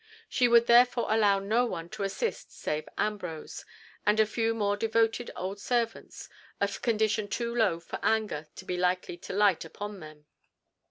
She would therefore allow no one to assist save Ambrose, and a few more devoted old servants, of condition too low for anger to be likely to light upon them.